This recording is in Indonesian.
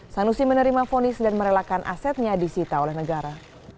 sanusi menerima fonis dan merelakan asetnya disita oleh negara